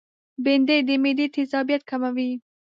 بېنډۍ د معدې تيزابیت کموي